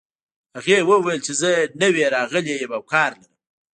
هغې وویل چې زه نوی راغلې یم او کار لرم